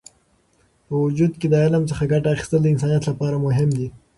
په وجود کې د علم څخه ګټه اخیستل د انسانیت لپاره مهم دی.